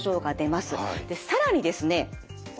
更にですね